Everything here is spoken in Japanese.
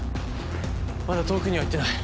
まだ遠くには行ってない。